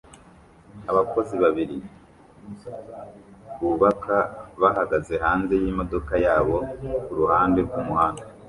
Abakozi babiri bubaka bahagaze hanze yimodoka yabo kuruhande rwumuhanda